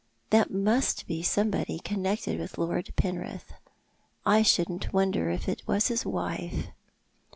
" That must be somebody connected with Lord Penrith. I shouldn't wonder if it was his wife."